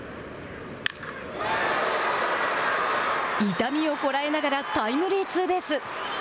痛みをこらえながらタイムリーツーベース。